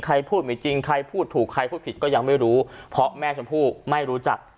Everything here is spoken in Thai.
ใครพูดไม่จริงใครพูดถูกใครพูดผิดก็ยังไม่รู้เพราะแม่ชมพู่ไม่รู้จัก